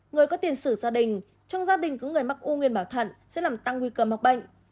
người có tiền sử gia đình trong gia đình có người mắc u nguyên bảo thận sẽ làm tăng nguy cơ mắc bệnh